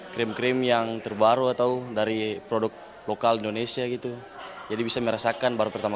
krim krim yang terbaru atau dari produk lokal indonesia gitu jadi bisa merasakan baru pertama